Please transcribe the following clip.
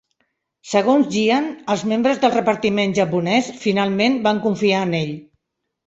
Segons Jiang, els membres del repartiment japonès, finalment, van confiar en ell.